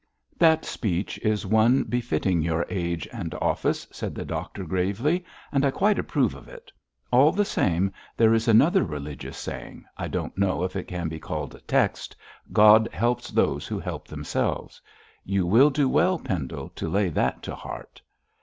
'That speech is one befitting your age and office,' said the doctor, gravely, 'and I quite approve of it. All the same, there is another religious saying I don't know if it can be called a text "God helps those who help themselves." You will do well, Pendle, to lay that to heart.'